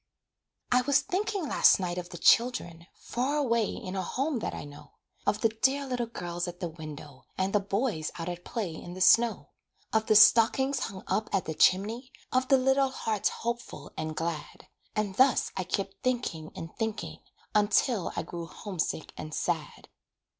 I was thinking last night of the children Far away in a home that I know, Of the dear little girls at the window, And the boys out at play in the snow; Of the stockings hung up at the chimney, Of the little hearts hopeful and glad; And thus I kept thinking and thinking, Until I grew homesick and sad.